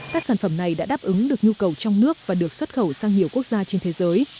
các sản phẩm này đã đáp ứng được nhu cầu trong nước và được xuất khẩu sang nhiều quốc gia trên thế giới